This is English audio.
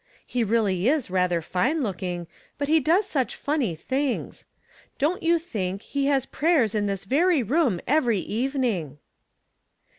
He really is rather fine looking; but he does such funny things. Don't you think he has prayers in this very room every evening."